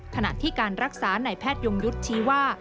ขณะที่การรักษาในแพทยงยุทธ์ชี้ว่า